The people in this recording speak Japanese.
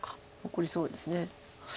残りそうです。